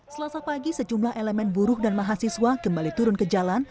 selasa pagi sejumlah elemen buruh dan mahasiswa kembali turun ke jalan